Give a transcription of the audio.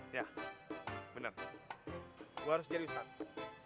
iya bener gue harus jadi ustadz